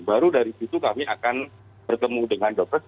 baru dari situ kami akan bertemu dengan dokter